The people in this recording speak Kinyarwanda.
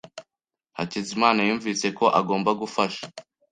Hakizimana yumvise ko agomba gufasha.